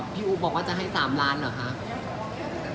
พี่อุ๊บสวัสดิ์บอกว่าจะให้สามล้านเหรอคะ